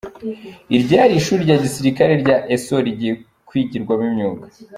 Iryari ishuri rya gisirikare rya Eso rigiye kwigirwamo imyuga